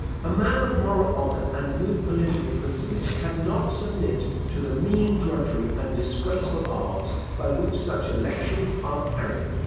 A man of moral honour and good political principles cannot submit to the mean drudgery and disgraceful arts, by which such elections are carried.